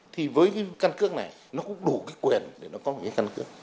thì với cái căn cước này nó cũng đủ cái quyền để nó có một cái căn cước